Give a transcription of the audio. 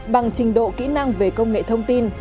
bằng trình độ kỹ năng về công nghệ thông tin